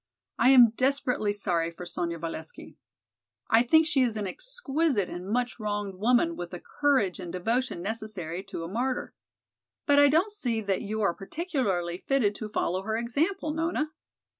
I am desperately sorry for Sonya Valesky. I think she is an exquisite and much wronged woman with the courage and devotion necessary to a martyr. But I don't see that you are particularly fitted to follow her example, Nona.